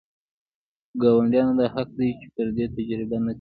ګاونډیانو دا حق دی چې بدي تجربه نه کړي.